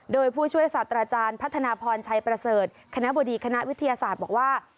โดยผู้ช่วยศาสตราจารย์พัฒนาพรชัยประเสริฐคณะบดีคณะวิทยาศาสตร์บอกว่า